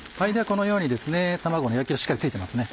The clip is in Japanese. このように卵の焼きがしっかり付いてますね。